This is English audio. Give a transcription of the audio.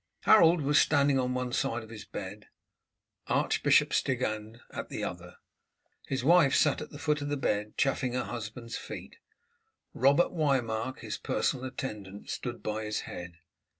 Harold was standing on one side of his bed, Archbishop Stigand at the other. His wife sat at the foot of the bed, chaffing her husband's feet; Robert Wymarc, his personal attendant, stood by his head.